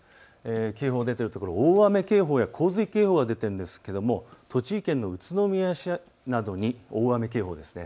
警報が出ているところ大雨警報や洪水警報が出ているんですが、栃木県の宇都宮市などに大雨警報です。